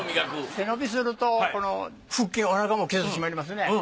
背伸びすると腹筋お腹も締まりますね。